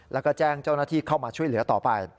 แล้วก็แจ้งเจ้าหน้าที่เข้ามาช่วยเหลือต่อไป